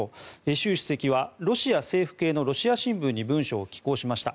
習主席はロシア政府系のロシア新聞に文書を寄稿しました。